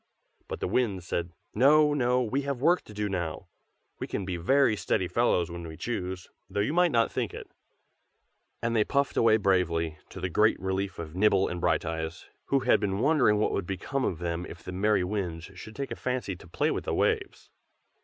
But the Winds said "No! no! we have work to do now. We can be very steady fellows when we choose, though you might not think it." And they puffed away bravely, to the great relief of Nibble and Brighteyes, who had been wondering what would become of them if the merry Winds should take a fancy to play with the waves.